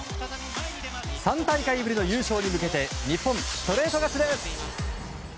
３大会ぶりの優勝に向けて日本、ストレート勝ちです！